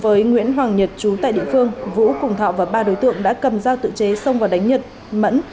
với nguyễn hoàng nhật trú tại địa phương vũ cùng thọ và ba đối tượng đã cầm dao tự chế xông vào đánh nhật mẫn